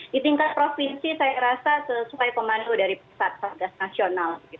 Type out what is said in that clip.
di tingkat provinsi saya rasa sesuai pemanu dari pesat pesat gas nasional